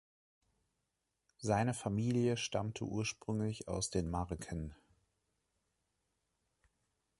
Seine Familie stammte ursprünglich aus den Marken.